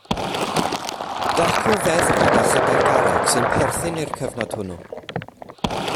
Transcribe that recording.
Dacw feddrod a chadair garreg sy'n perthyn i'r cyfnod hwnnw.